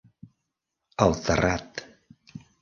El Terrat.